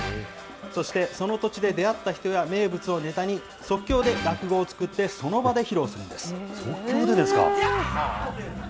そしてその土地で出会った人や名物をネタに、即興で落語を作って、即興でですか。